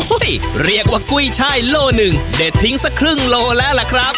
เรียกว่ากุ้ยช่ายโลหนึ่งเด็ดทิ้งสักครึ่งโลแล้วล่ะครับ